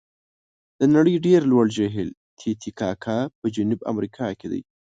د نړۍ ډېر لوړ جهیل تي تي کاکا په جنوب امریکا کې دی.